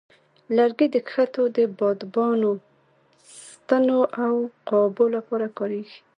لرګي د کښتو د بادبانو، ستنو، او قابو لپاره کارېږي.